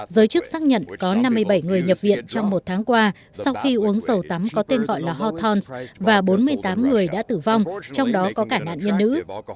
giới chức xác nhận có năm mươi bảy người nhập viện trong một tháng qua sau khi uống dầu tắm có tên gọi là hotons và bốn mươi tám người đã tử vong trong đó có cả nạn nhân nữ